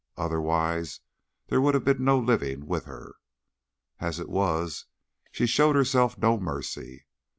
Otherwise there would have been no living with her. As it was she showed herself no mercy.